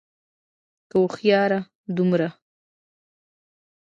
که هوښيار دومره